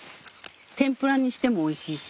天ぷらにしてもおいしいし。